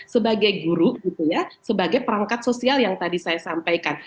sebagai guru sebagai perangkat sosial yang tadi saya sampaikan